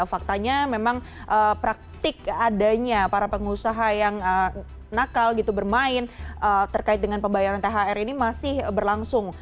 faktanya memang praktik adanya para pengusaha yang nakal gitu bermain terkait dengan pembayaran thr ini masih berlangsung